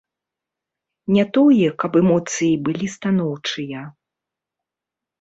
Не тое, каб эмоцыі былі станоўчыя.